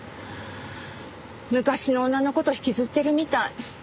昔の女の事引きずってるみたい。